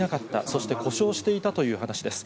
そして故障していたという話です。